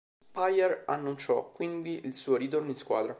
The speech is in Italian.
Payer annunciò quindi il suo ritorno in squadra.